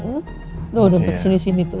udah udah sini sini tuh